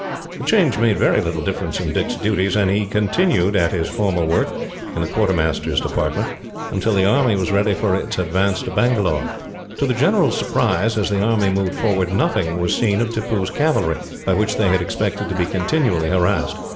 The change made very little difference in Dick's duties, and he continued at his former work, in the quartermasters' department, until the army was ready for its advance to Bangalore. To the general surprise, as the army moved forward, nothing was seen of Tippoo's cavalry, by which they had expected to be continually harassed.